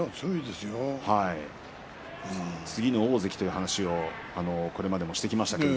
次の大関という話をこれまでもしてきましたけれど。